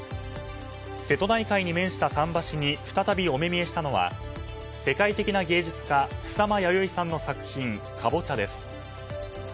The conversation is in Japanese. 瀬戸内海に面した桟橋に再びお目見えしたのは世界的な芸術家草間彌生さんの作品「南瓜」です。